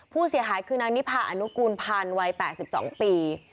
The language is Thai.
ผู้เสียหายคือนางนิพาอนุกูลพันธ์วัย๘๒ปี